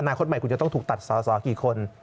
คตใหม่คุณจะต้องถูกตัดสอสอกี่คน